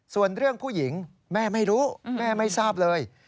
ส่วนเรื่องผู้หญิงแม่ไม่รู้แม่ไม่ทราบเลย